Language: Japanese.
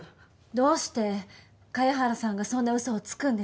どうして芽原さんがそんな嘘をつくんです？